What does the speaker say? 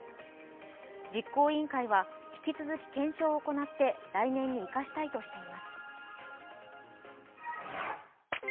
実行委員会は引き続き検証を行って来年に生かしたいとしています。